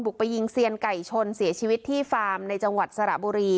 ไปยิงเซียนไก่ชนเสียชีวิตที่ฟาร์มในจังหวัดสระบุรี